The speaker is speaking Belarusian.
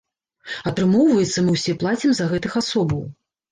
Атрымоўваецца, мы ўсе плацім за гэтых асобаў.